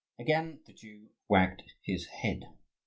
Again the Jew wagged his head.